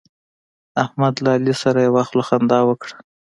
احمد له علي سره یوه خوله خندا وکړه.